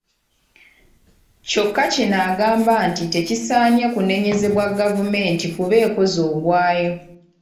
Kyokka kino agamba nti tekisaanye kunenyezebwa gavumenti kuba ekoze ogwayo.